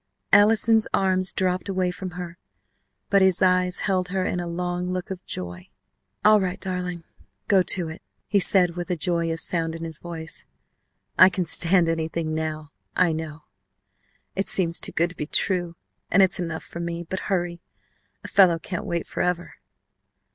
Allison's arms dropped away from her, but his eyes held her in a long look of joy. "All right, darling, go to it" he said with a joyous sound in his voice "I can stand anything now, I know. It seems too good to be true and it's enough for me. But hurry! A fellow can't wait forever."